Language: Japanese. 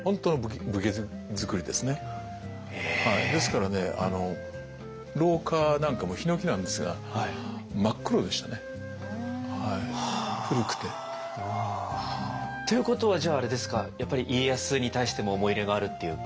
ですからね廊下なんかもヒノキなんですが真っ黒でしたね古くて。ということはじゃああれですかやっぱり家康に対しても思い入れがあるっていうか。